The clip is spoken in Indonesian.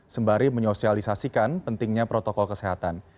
sembari menyosialisasikan pentingnya protokol kesehatan